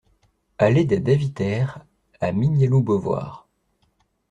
Allée des Davitaires à Mignaloux-Beauvoir